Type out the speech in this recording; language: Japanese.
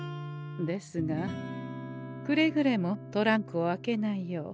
ですがくれぐれもトランクを開けないよう。